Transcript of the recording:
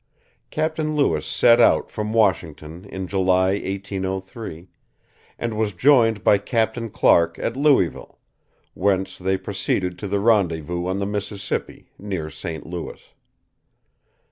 Captain Lewis set out from Washington in July, 1803, and was joined by Captain Clark at Louisville, whence they proceeded to the rendezvous on the Mississippi, near St. Louis.